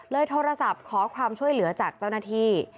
โทรศัพท์ขอความช่วยเหลือจากเจ้าหน้าที่